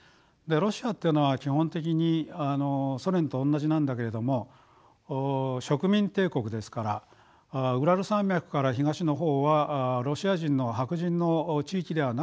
ロシアっていうのは基本的にソ連と同じなんだけれども植民帝国ですからウラル山脈から東の方はロシア人の白人の地域ではなかったわけです。